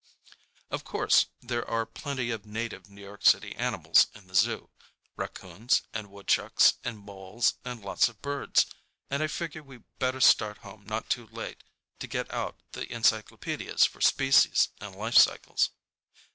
Of course there are plenty of native New York City animals in the zoo—raccoons and woodchucks and moles and lots of birds—and I figure we better start home not too late to get out the encyclopedias for species and life cycles.